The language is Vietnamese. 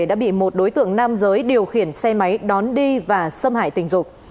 đã bị một đối tượng nam giới điều khiển xe máy đón đi và xâm hại tình dục